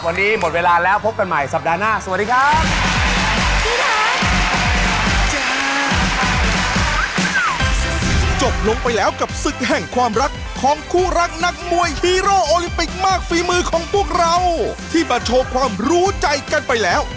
วันนี้หมดเวลาแล้วพบกันใหม่สัปดาห์หน้า